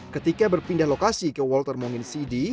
ketika berpindah lokasi ke walter mongin cd